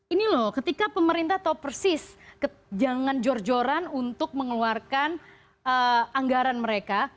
ini loh ketika pemerintah tahu persis jangan jor joran untuk mengeluarkan anggaran mereka